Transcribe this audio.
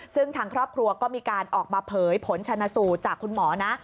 ซึ่งทางครอบครัวก็มีการออกมาเผยผลชนสูตรจากคุณหมอนะ